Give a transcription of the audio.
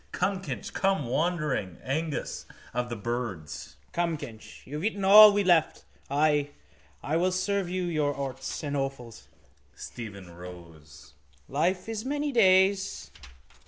—Come, Kinch. Come, wandering Ængus of the birds. Come, Kinch. You have eaten all we left. Ay. I will serve you your orts and offals. Stephen rose. Life is many days.